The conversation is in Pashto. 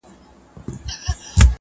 ټولنيز پيوستون کمزوری کيدی.